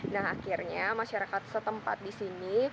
nah akhirnya masyarakat setempat disini